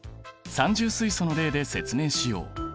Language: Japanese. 三重水素の例で説明しよう。